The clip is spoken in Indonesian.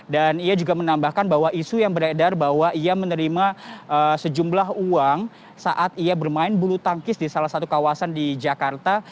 ia juga menambahkan bahwa isu yang beredar bahwa ia menerima sejumlah uang saat ia bermain bulu tangkis di salah satu kawasan di jakarta